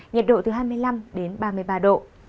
nhiệt độ từ hai mươi năm đến ba mươi ba độ